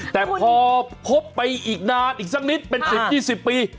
แต่พอพบไปอีกนานอีกสักนิดเป็น๑๐๒๐ปี